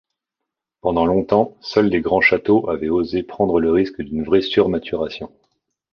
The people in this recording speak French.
Pendant longtemps, seuls les grands châteaux avaient osé prendre le risque d’une vraie surmaturation.